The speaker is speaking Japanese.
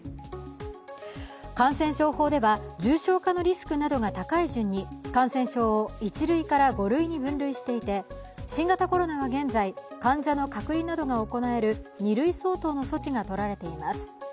感染症法では重症化のリスクなどが高い順に感染症を１類から５類に分類していて新型コロナは現在、患者の隔離などが行える２類相当の措置がとられています。